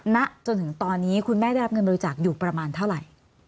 ณจนถึงตอนนี้คุณแม่ได้รับเงินบริจาคอยู่ประมาณเท่าไหร่